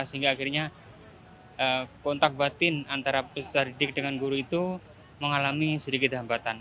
sehingga akhirnya kontak batin antara peserta didik dengan guru itu mengalami sedikit hambatan